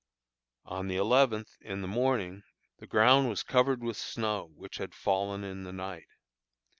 On the eleventh, in the morning, the ground was covered with snow which had fallen in the night.